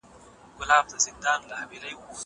زه له سهاره مينه څرګندوم!